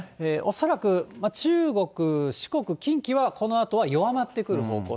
恐らく中国、四国、近畿はこのあとは弱まってくる方向。